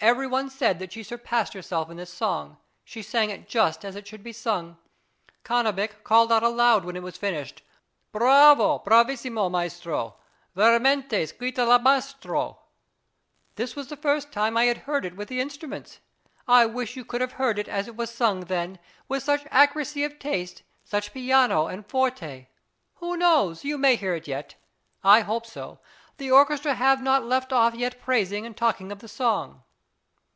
Every one said that she surpassed herself in this song; she sang it just as it should be sung. Cannabich called out aloud when it was finished, "Bravo, bravissimo, maestro! veramente, scritta da maestro! This was the first time {MANNHEIM.} (420) I had heard it with the instruments. I wish you could have heard it as it was sung then, with such accuracy of taste, such piano and forte. Who knows? you may hear it yet. I hope so. The orchestra have not left off yet praising and talking of the song.